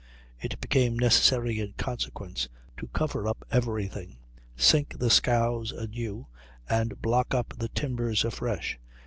It became necessary, in consequence, to cover up every thing, sink the scows anew, and block up the timbers afresh.